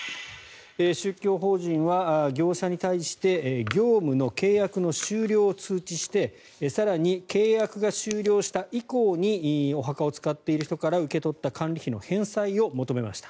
宗教法人は業者に対して業務の契約の終了を通知して更に契約が終了した以降にお墓を使っている人から受け取った管理費の返済を求めました。